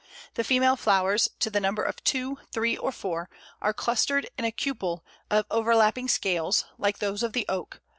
The female flowers, to the number of two, three, or four, are clustered in a "cupule" of overlapping scales, like those of the Oak.